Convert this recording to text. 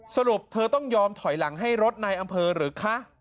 สรุปเธอต้องยอมถอยหลังให้รถในอำเภอหรือคะ